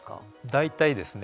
大体ですね